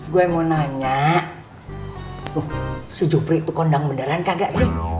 gue mau nanya si jufri itu kondang mendaran kagak sih